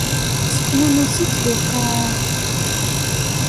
Issexnunes-itt di lqaεa.